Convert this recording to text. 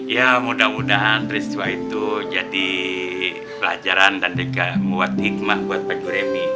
ya mudah mudahan peristiwa itu jadi pelajaran dan juga muat hikmah buat pak juremi